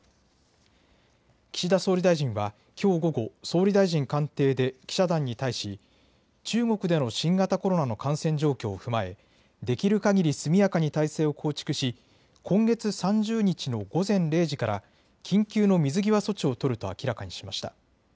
岸田総理大臣はきょう午後、総理大臣官邸で記者団に対し中国での新型コロナの感染状況を踏まえ、できるかぎり速やかに体制を構築し今月３０日の午前０時から緊急の水際措置を取ると明らかにしました。